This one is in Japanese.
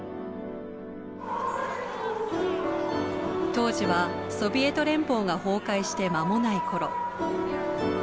当時はソビエト連邦が崩壊して間もない頃。